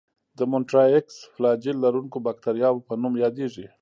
د مونټرایکس فلاجیل لرونکو باکتریاوو په نوم یادیږي.